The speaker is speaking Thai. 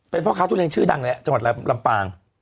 เป็นพ่อค้าทุเรียนชื่อดังแหละจังหวัดลำปาง